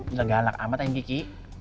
udah galak amat daging kiki